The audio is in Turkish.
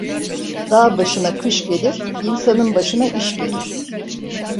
Dağ başına kış gelir, insanın başına iş gelir.